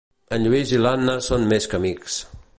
En Lluís i l'Anna són més que amics.